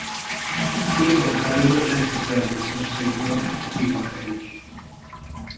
Észak felől legközelebbi szomszédja a Vihar-hegy.